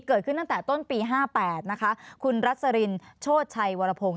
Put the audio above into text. เกิดขึ้นตั้งแต่ต้นปี๕๘นะคะคุณรัสรินโชชัยวรพงศ